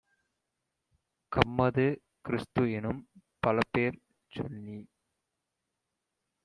கம்மது, கிறிஸ்து-எனும் பலபேர் சொல்லிச்